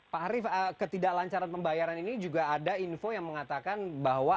pak arief ketidak lancaran pembayaran ini juga ada info yang mengatakan bahwa